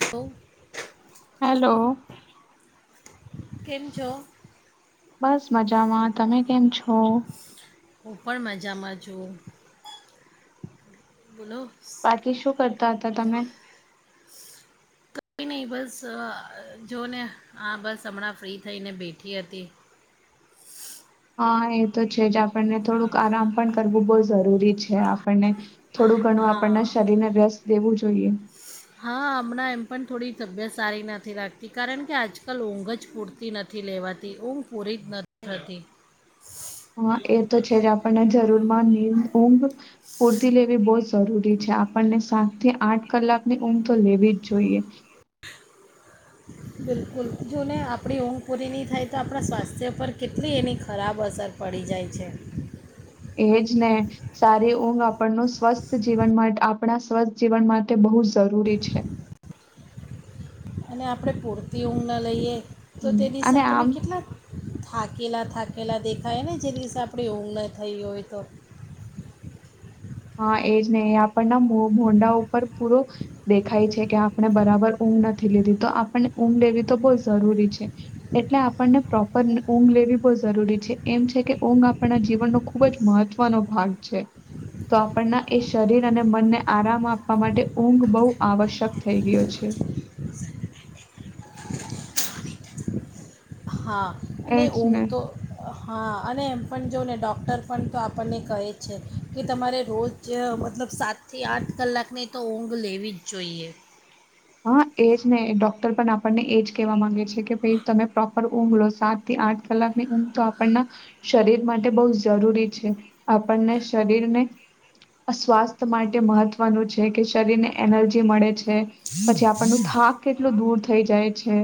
તો હાલો કેમ છો બસ મજામાં તમે કેમ છો હું પણ મજામાં છુ બોલો બાકી શું કરતા હતા તમે કોઈ નહી બસ જો ને આ બસ હમણાં ફ્રી થઈને બેઠી હતી હા એ તો છે જ આપ આપડને થોડુંક આરામ પણ [unintelligible] જરૂરી છે આપડને થોડું ઘણું હા આપ શરીરને વ્યસ્ત દેવું જોઈએ હા હમણાં એમ પણ થોડી તબિયત સારી નથી રાખતી કારણ કે આજકાલ ઊંઘ જ પૂરતી નથી લેવાતી ઊંઘ પૂરી જ નથીતી હા એ તો છે જ આપણને જરૂરમાં નીદ ઊંઘ પૂરતી લેવી બહુ જ જરૂરી છે આપણને સાત થી આઠ કલાકની ઊંઘ તો લેવી જ જોઈએ બિલકુલ જો ને આપણી ઊંઘપુરી નહી થાય તો આપણા સ્વાસ્થ્ય પર કેટલી એની ખરાબ અસર પડી જાય છે એ જ ને સારી ઊંઘ આપણ સ્વસ્થ જીવન માટે આપણા સ્વસ્થ જીવન માટે બહુ જરૂરી છે અને આપણે પૂરતી ઊંઘ ન લઈએ તો હમ, તે દિવસે અને આપણને આમ કેટલા થાકેલા થાકેલા દેખાય ને જે દિવસે આપણે ઊઘ ન થઈ હોય તો હા એ જ નહી એ આપણના મો મોંડા ઉપર પૂરો દેખાય છે કે આપણે બરાબર ઊંઘ નથી લીધી તો આપણને ઊંઘ લેવી તો બહુ જરૂરી છે એટલે આપણને પ્રોપર ઊંઘ લેવી બહુ જરૂરી છે એમ છે કે ઊંઘ આપણના જીવનનો ખૂબ જ મહત્વનો ભાગ છે તો આપણના એ શરીર અને મનને આરામ આપવા માટે ઊંઘ બહુ આવશ્યક થઈ ગયો છે હા અને એજ ઊંધ ને તો અ હા અને એમ પણ જોને ડૉક્ટર પણ તો આપણને કહે છે કે તમારે રોજ મતલબ સાતથી આઠ કલાકની તો ઊંઘ લેવી જ જોઈએ હા એ જ ને ડોક્ટર પણ આપણને એ જ કહેવા માંગે છે કે ભાઈ તમે પ્રોપર ઊંઘ લો સાત થી આઠ કલાકની ઊંઘ તો આપણના શરીર માટે બહુ જરૂરી છે આપણને શરીરને સ્વાસ્થ્ય માટે મહત્વનું છે કે શરીરને એનર્જી મળે છે પછી આપણ નુ થાક કેટલો દૂર થઈ જાય છે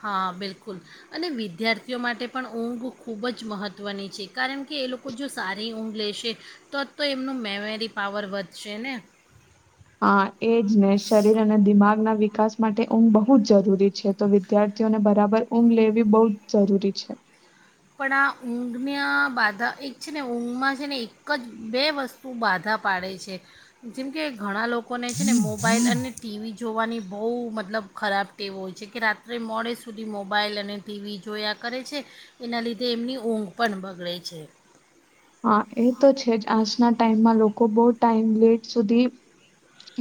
હા બિલકુલ અને વિદ્યાર્થીઓ માટે પણ ઊંઘ ખૂબ જ મહત્ત્વની છે કારણ કે એ લોકો જો સારી ઊંઘ લેશે તો તો એમનું મેમરી પાવર વધશે ને હા એજ ને શરીર અને દિમાગ ના વિકાસ માટે ઊંઘ બહુ જ જરૂરી છે તો વિદ્યાર્થીઓને બ બરાબર ઊંઘ લેવી બઉ જરૂરી છે પણ આ ઊંઘના બાધા એક છે ને ઊંઘમાં છે ને એક જ બે વસ્તુ બાધા પાડે છે જેમ કે ઘણા લોકોને છે ને મોબાઈલ અને ટીવી જોવાની બહુ મતલબ ખરાબ ટેવો હોય છે કે રાત્રે મોડે સુધી મોબાઈલ અને ટીવી જોયા કરે છે એના લીધે એમની ઊંઘ પણ બગડે છે હા એ તો છે જ આજના ટાઈમમાં લોકો બહ ટાઈમ લેટ સુધી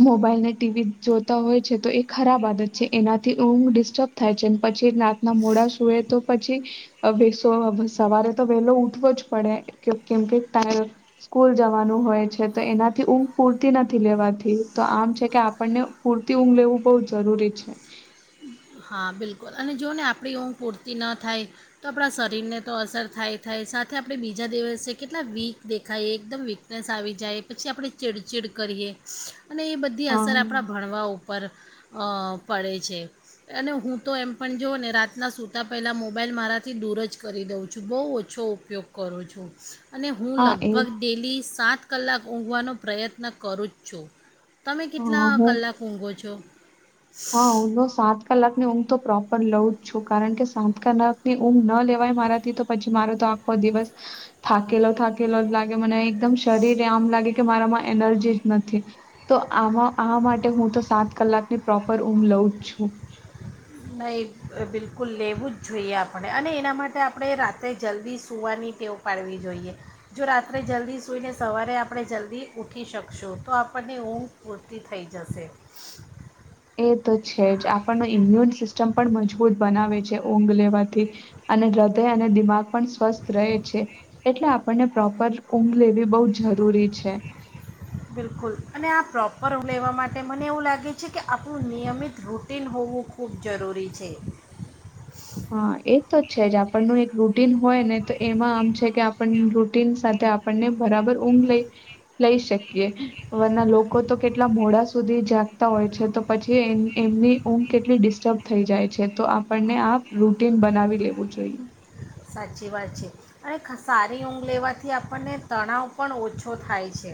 મોબાઈલ ને ટીવી જોતા હોય છે તો એ ખરાબ આદત છે એનાથી ઊંઘ ડિસ્ટર્બ થાય છે પછી રાતના મોડા સુૂએ તો પછી [unintelligible] સવારે તો વહેલો ઉઠવો જ પડે કેમ કે ત સ્કૂલ જવાનું હોય છે તો એનાથી ઊંઘ પૂરતી નથી લેવાથી તો આમ છે કે આપણને પૂરતી ઊંઘ લેવું બહ જરૂરી છે હા બિલકુલ અને જો ને આપણી ઊંઘ પૂરતી ન થાય તો આપણા શરીરને તો અસર થાય થાય સાથે આપણે બીજા દિવસે કેટલા વીક દેખાઈએ એકદમ વીકનેસ આવી જાય પછી આપણે ચીડચીડ કરીએ અને એ બધી હા અસર આપણાં હા ભણવા ઉપર અ પડે છે અને હું તો એમ પણ જોઉં ને રાતના સૂતાં પહેલાં મોબાઈલ મારાથી દૂર જ કરી દઉં છું બહુ ઓછો ઉપયોગ કરું છું અને હું એ લગભગ ડેલી સાત કલાક ઊંઘવાનો પ્રયત્ન કરું જ છું તમે કેટલા કલાક ઊંઘો છો હ હું તો સાત કલાક ની ઊંઘ તો પ્રોપર લઉં જ છું કારણ કે સાત કલાક ની ઊંઘ ના લેવાય મારાથી તો પછી મારો તો આખો દિવસ થાકેલો થાકેલો જ લાગે મને એકદમ શરીરે આમ લાગે કે મારામાં એનર્જી જ નથી તો આમાં આ માટે હું તો સાત કલાકની પ્રોપર ઉઘ લઉ જ છું નહીં બિલકુલ લેવું જ જોઈએ આપણે અને એના માટે આપણે રાત્રે જલ્દી સૂવાની ટેવ પાડવી જોઈએ જો રાત્રે જલ્દી સૂઈને સવારે આપણે જલ્દી ઉઊઠી શકશું તો આપણને ઊંઘ પૂરતી થઈ જશે એ તો છે જ આપણનો ઈમ્યુન સિસ્ટમ પણ મજબૂત બનાવે છે ઊંઘ લેવાથી અને હૃદય અને દિમાગ પણ સ્વસ્થ રહે છે એટલે આપણને પ્રોપર ઊંઘ લેવી બો જ જરૂરી છે બિલકુલ અને આ પ્રોપર લેવા માટે મને એવું લાગે છે કે આપણું નિયમિત રૂટિન હોવું ખૂબ જરૂરી છે છેજ આપણ નુ એક રૂ રૂટીન હોય ને તો એમાં આમ છે કે આપણ [inaudible] સાથે આપણને બરાબર ઊંઘ લઈ લઈ શકીએ વરના લોકો તો કેટલા મોડા સુ સુધી જાગતા હોય છે તો પછી એ એમની ઊંઘ કેટલી ડિસ્ટર્બ થઈ જાય છે તો આપણને આ રૂટીન બનાવી લેવું જોઈએ. સાચી વાત છે, અને સારી ઊંઘ લેવાથી આપણને તણાવ પણ ઓછો થાય છે.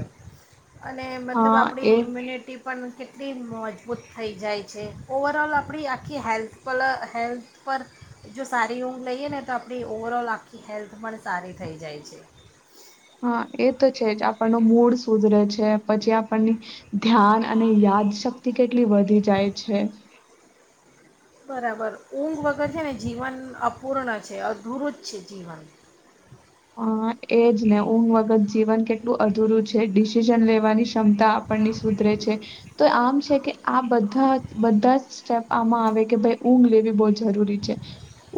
અને મતલબ હા આપડી એ ઇમ્યુનિટી પણ એલી મજબૂત થઈ જાય છે, ઓવરઓલ આપણી આખી હેલ્થ પરલ હેલ્થ પર જો સારી ઊંઘ લઈએ ને આપણી ઓવરઓલ આખી હેલ્થ પણ સારી થઈ જાય છે. હા એ તો છે જ આપણુ મૂળ સુધરે છે પછી આપણની, ધ્યાન અને યાદ શક્તિ કેટલી વધી જાય છે. બરાબર ઊંઘ વગર છે ને જીવન અપૂર્ણ છે અધુરું જ છે જીવન. હ એજ ને ઊંઘ વખત જીવન કેટલું અધૂરું છે ડીશ ન લેવાની ક્ષમતા આપણની સુધરે છે, તો આમ છે કે આ બધા બધા જ સ્ટેપ આમાં આવે કે ભાઈ ઊંઘ લેવી બ જરૂરી છે,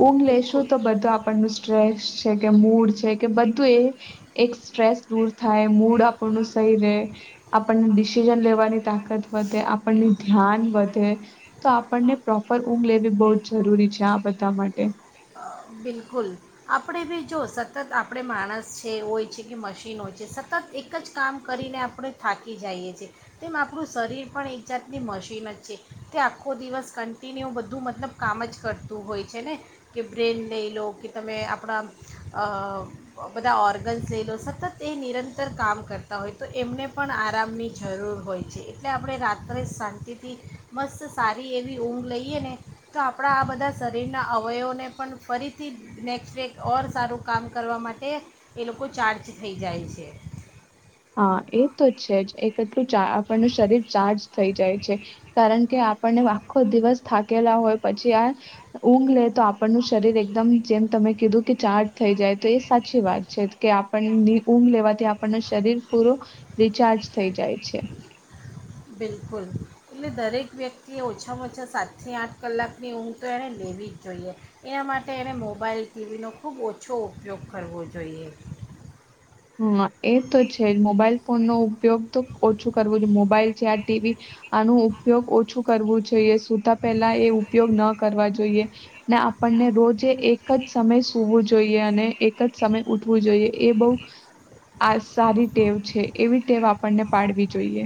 ઊંઘ લેશો બિલકુલ તો બધું આપણ સ્ટ્રેસ કે મૂળ છે કે બધા ત એ, એક સ્ટ્રેસ તો- થાય મૂડ આપણ નું સહી રહે. આપણને ડિસિઝન લેવાની તાકત વધે આપણની ધ્યાન વધે, તો આપણને પ્રોપર ઊંઘ લેવી બહુ જ જરૂરી છે આ બધા માટે. બિલકુલ, આપણે બી જો સતત આપણે માણસ છે હોય છે કે મશીન હોય છે સતત એક જ કામ કરીને આપણે થાકી જઈએ છીએ, તેમ આપણું શરીર પણ એક જાતની મશીન જ છે, તે આખો દિવસ કન્ટિન્યુ બધું મતલબ કામ જ કરતું હોય છે ને. કે બ્રેન લઈ લો કે તમે આપણા બધા ઓર્ગન્સ લઈ લો સતત એ નિરંતર કામ કરતા હોય તો એમને પણ આરામની જરૂર હોય છે એટલે આપણે રાત્રે શાંતિથી મસ્ત સારી એવી ઊંઘ લઈએ ને તો આપણા આ બધા શરીરના અવયવને પણ ફરીથી નેક્સ્ટ ડે ઓર સારું કામ કરવા માટે એ લોકો ચાર્જ થઈ જાય છે હા એ તો છે જ એ કેટલું આપણનું શરીર ચાર્જ થઈ જાય છે કારણ કે આપણને આખો દિવસ થાકેલા હોય પછી આ ઊંઘ લે તો આપણનું શરીર એકદમ જેમ તમે કીધું કે ચાર્જ થઈ જાય તો એ સાચી વાત છે કે આપણની ઊંઘ લેવાથી આપણનું શરીર પુરો રિચાર્જ થઈ જાય છે બિલકુલ એટલે દરેક વ્યક્તિએ ઓછામાં ઓછા સાતથી આઠ કલાકની ઊંઘ તો એણે લેવી જ જોઈએ એના માટે એણે મોબાઈલ ટીવીનો ખૂબ ઓછો ઉપયોગ કરવો જોઈએ હમ એ તો છે જ મોબાઈલ ફોનનો ઉપયોગ ઓછું કરું જો મોબાઈલ છે આ ટીવી આનો ઉપયોગ ઓછું કરવું જોઈએ સુતા પેલા એ ઉપયોગ ન કરવા જોઈએ ને આપણને રોજે એક જ સમય સુવું જોઈએ અને એક જ સમય ઉઠવું જોઈએ એ બહુ આ સારી ટેવ છે એવી ટેવ આપણને પાડવી જોઈએ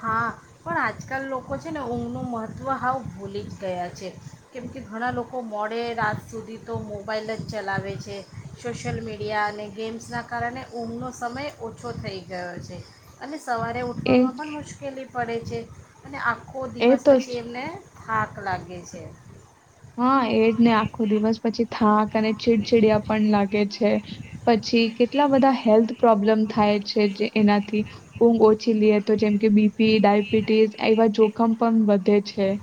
હા પણ આજકાલ લોકો છે ને ઊંઘનું મહત્ત્વ હાવ ભૂલી જ ગયા છે કેમ કે ઘણા લોકો મોડે રાત સુધી તો મોબાઈલ જ ચલાવે છે સોશિયલ મીડિયા અને ગેમ્સના કારણે ઊંઘનો સમય ઓછો થઈ ગયો છે અને સવારે એ ઉઠવામાં પણ પડે છે અને કોઈ એ દિવસ તો પછી એમને થાક લાગે છે હા એજ ને આખો દિવસ પછી થાક અને ચીડચીડયા પણ લાગે છે પછી કેટલા બધા હેલ્થ પ્રોબ્લેમ થાય છે જે એનાથી ઊંઘ ઓછી લઈએ તો જેમ કે બીપી ડાયબિટીસ એવા જોખમ પણ વધે છે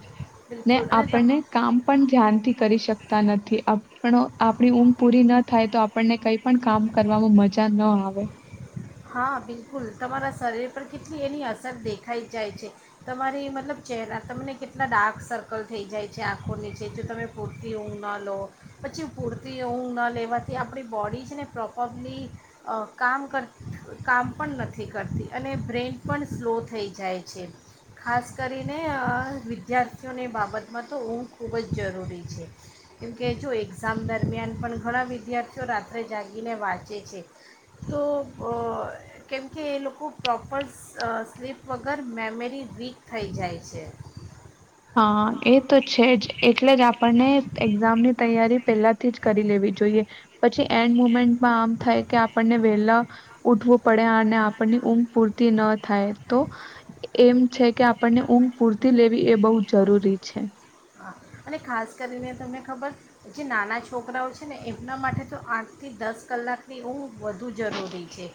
ને બિલકુલ અને તમ આપણને કામ ધ્યાનથી કરી શકતા નથી આપણ આપણી ઊમ પૂરી ન થાય તો આપણને કઈ પણ કામ કરવાવામાં મજા ન આવે હા બિલકુલ તમારા શરીર પર કેટલી એની અસર દેખાઈ જાય છે તમારી મતલબ ચહેરા તમને કેટલા ડાર્ક સર્કલ થઈ જાય છે આંખોનીચ જો તમે પૂરતી ઊં ન લો પછી પૂરતી ઊં ન લેવાથી આપણી બોડી છે ને પ્રોપરલી કામ કરતી કામ પણ નથી કરતી અને બ્રેઇન પણ સ્લો થઈ જાય છે ખાસ કરીને વિદ્યાર્થીઓની બાબતમાં તો ઊું ખૂબ જ જરૂરી છે કેમ કે જો એક્ઝામ દરમિયાન પણ ઘણા વિદ્યાર્થીઓ રાત્રે જાગીને વાંચે છે તો કેમકે એ લોકો પ્રોપર સ્લીપ વગર મેમરી વીક થઈ જાય છે હા એ તો છે જ એટલે જ આપણને એક્ઝામની તૈયારી પહેલાથી જ કરી લેવી જોઈએ પછી એન્ડ મુમેન્ટમાં આમ થાય કે આપણને વેલા ઉઠવું પડે અને આપણની ઊંઘ પૂરતી ન થાય તો એમ છે કે આપણને ઊંઘ પૂરતી લેવી એ બહુ જરૂરી છે હા અને ખાસ કરીને તમને ખબર જે નાના છોકરાઓ છે ને એમના માટે તો આઠથી દસ કલાકની ઊંઘ વધુ જરૂરી છે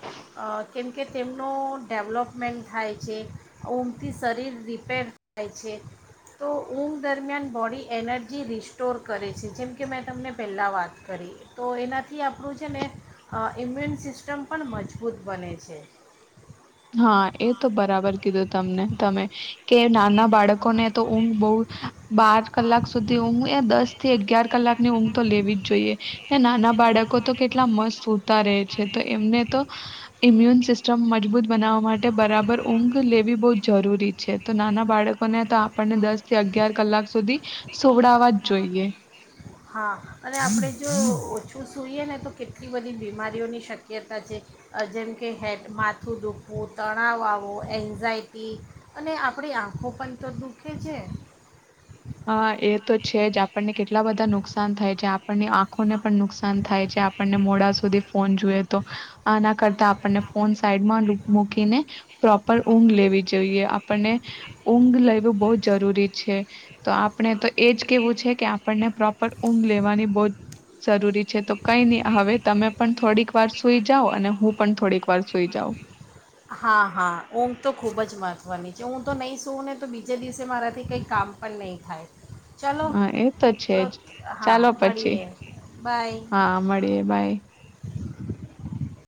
કેમકે તેમનો ડેવલોપમેન્ટ થાય છે ઊંઘથી શરીર રિપેર થાય છે તો ઊંઘ દરમિયાન બોડી એનર્જી રિસ્ટોર કરે છે જેમ કે મેં તમને પહેલાં વાત કરી તો એનાથી આપણું છે ને ઇમ્યુન સિસ્ટમ પણ મજબૂત બને છે હા એ તો બરાબર કીધું તમને તમે કે નાના બાળકોને તો ઊંઘ બહ બાર કલાક સુધી ઊંઘ એ દસ થી અગિયાર કલાક ની ઊંઘ તો લેવી જ જોઈએ નાના બાળકો કેટલા મસ્ત સૂતા રહે છે તો એમને તો ઈમ્યુન સિસ્ટમ મજબૂત બનાવવા માટે બરાબર ઊંઘ લેવી બહ જરૂરી છે તો નાના બાળકોને તો આપણને દસ થી અગિયાર કલાક સુધી સોવડાવવા જ જોઈએ હા અને આપણે જો ઓછું સૂઈએ ને તો કેટલી બધી બીમારીઓની શક્યતા છે જેમ કે હે માથું દુખવું તણાવ આવો એન્ઝાયટી અને આપણી આંખો પણ તો દુખે છે હા એ તો છે જ આપણને કેટલા બધા નુકસાન થાય છે આપણને આંખોને પણ નુકસાન થાય છે આપણને મોડા સુધી ફોન જોઈએ તો આના કરતા આપણને ફોન સાઈડમાં મૂકીને પ્રોપર ઊંઘ લેવી જોઈએ આપણને ઊઘ લેવું બહ જરૂરી છે તો આપણે તો એજ કેવું છે કે આપણને પ્રોપર ઊંઘ લેવાની બહુ જ જરૂરી છે તો કઈ નહી હવે તમે પણ થોડીક વાર સુઈ જાાવ અને હું પણ થોડીક વાર સુઈ જાઉં હા હા ઊંઘ તો ખૂબ જ મહત્ત્વની છે હું તો નહીં સુંં ને તો બીજે દિવસે મારાથી કંઈ કામ પણ નહીં થાય. ચલો હા એ તો છે જ હા ચાલો પછી, મળીએ બાય હા મળીએે બાય.